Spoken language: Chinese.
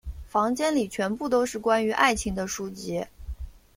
房间里全部都是关于爱情的书籍。